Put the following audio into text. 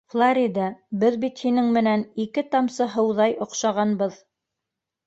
Флорида, беҙ бит һинең менән ике тамсы һыуҙай оҡшағанбыҙ.